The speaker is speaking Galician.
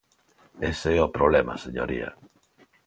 Ese é o problema, señoría.